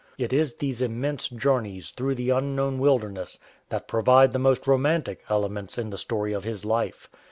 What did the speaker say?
It is these immense journeys through 205 A FAMOUS DOG TRAIN the unknown wilderness that provide the most romantic elements in the story of his life.